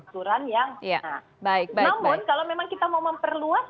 namun kalau memang kita mau memperluas